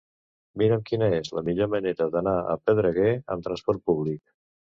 Mira'm quina és la millor manera d'anar a Pedreguer amb transport públic.